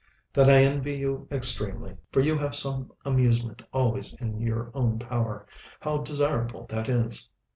"Then I envy you extremely, for you have some amusement always in your own power. How desirable that is!"